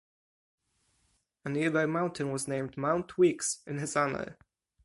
A nearby mountain was named Mount Weeks in his honor.